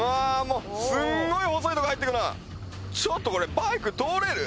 もうすんごい細いところ入っていくなちょっとこれバイク通れる？